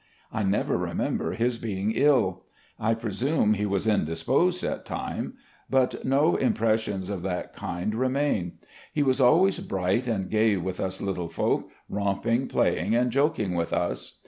I never remember his being ill. I presume he was in SERVICES IN THE ARMY 9 disposed at times ; but no impressions of that kind remain. He was always bright and gay with us little folk, romping, playing, and joking with us.